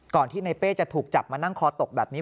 ที่ในเป้จะถูกจับมานั่งคอตกแบบนี้